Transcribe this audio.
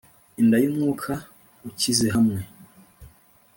inda yumwaka ukize hamwe